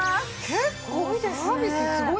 結構サービスすごいね。